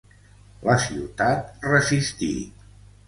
La ciutat resistí.